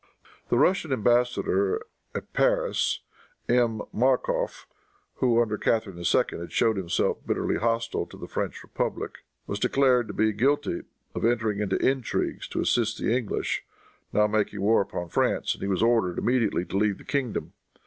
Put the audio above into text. The Russian embassador at Paris, M. Marcow, who under Catharine II. had shown himself bitterly hostile to the French republic, was declared to be guilty of entering into intrigues to assist the English, now making war upon France, and he was ordered immediately to leave the kingdom.